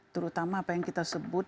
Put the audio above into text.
terutama apa yang kita sebut